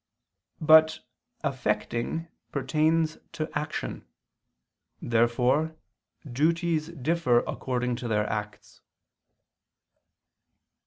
But effecting pertains to action. Therefore duties differ according to their acts.